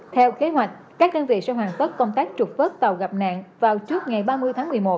theo kế hoạch các đơn vị sẽ hoàn tất công tác trục vớt tàu gặp nạn vào trước ngày ba mươi tháng một mươi một